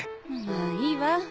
まぁいいわ。